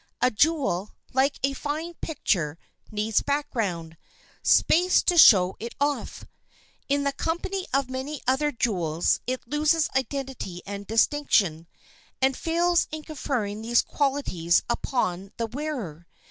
A jewel, like a fine picture, needs background, space to show it off. In the company of many other jewels it loses identity and distinction, and fails in conferring these qualities upon the wearer.